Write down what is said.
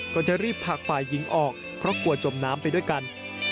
จะรีบผลักฝ่ายหญิงออกเพราะกลัวจมน้ำไปด้วยกัน